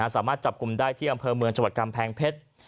สามารถจับกลุ่มได้ที่อำเภอเมืองจังหวัดกำแพงเพชร